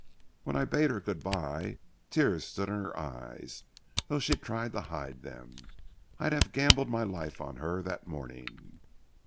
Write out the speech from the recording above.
When I bade her good by, tears stood in her eyes, though she tried to hide them. I'd have gambled my life on her that morning.